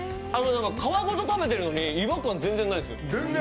皮ごと食べてるのに違和感全然ない。